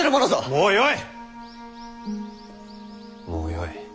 もうよい。